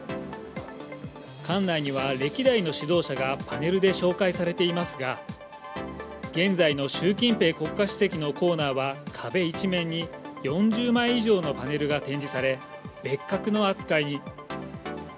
館内には歴代の指導者がパネルで紹介されていますが、現在のシュウ・キンペイ国家主席のコーナーは壁一面に４０枚以上のパネルが展示され、別格の扱いに。